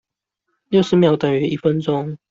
六十秒等於一分鐘